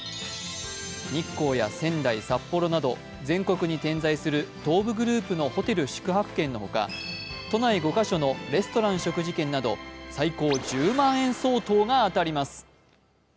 日光や仙台、札幌など全国に点在する東武グループのホテル宿泊券のほか、都内５カ所のレストラン食事券など最高１０万円相当が当たります。